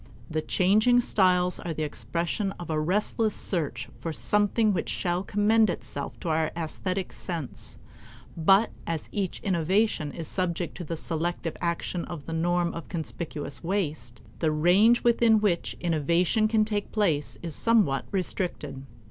The changing styles are the expression of a restless search for something which shall commend itself to our aesthetic sense; but as each innovation is subject to the selective action of the norm of conspicuous waste, the range within which innovation can take place is somewhat restricted.